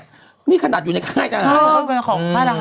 มันมีขนาดอยู่ในค่ายท่าน